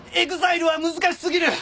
ＥＸＩＬＥは難し過ぎる！